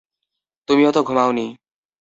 তুমিও তো ঘুমাওনি।